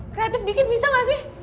kreatif dikit bisa gak sih